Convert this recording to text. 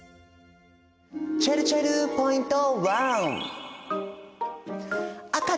ちぇるちぇるポイント１！